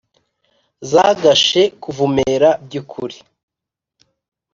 zagashe kuvumera by; ukuri